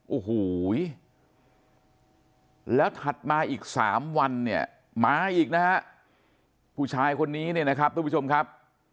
โอ้โหแล้วถัดมาอีกสามวันเนี่ยมาอีกนะฮะผู้ชายคนนี้เนี่ยนะครับทุกผู้ชมครับ